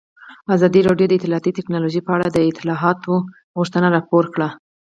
ازادي راډیو د اطلاعاتی تکنالوژي په اړه د اصلاحاتو غوښتنې راپور کړې.